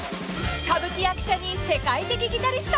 ［歌舞伎役者に世界的ギタリスト］